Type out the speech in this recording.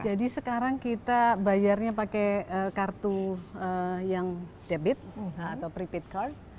jadi sekarang kita bayarnya pakai kartu yang debit atau prepaid card